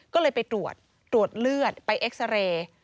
ก็เลยไปตรวจตรวจเลือดไปเอ็กซาเรย์